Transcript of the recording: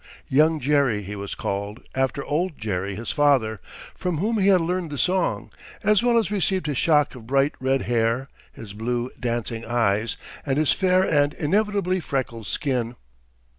"Young" Jerry he was called, after "Old" Jerry, his father, from whom he had learned the song, as well as received his shock of bright red hair, his blue, dancing eyes, and his fair and inevitably freckled skin.